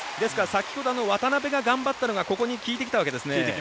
先ほど、渡邉が頑張ったのがここに効いてきたんですね。